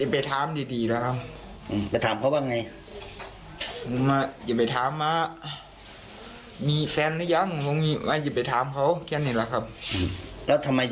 ไปขู่เขาไปชกท้องเขาเพราะอะไร